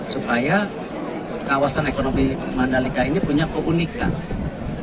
supaya kawasan ekonomi mandalika ini punya keunikan